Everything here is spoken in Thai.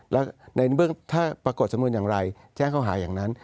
แล้วในเมื่อถ้าปรากฏสำนวนอย่างไรแจ้งเขาหาอย่างนั้น